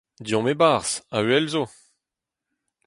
Deomp e-barzh ! Avel zo !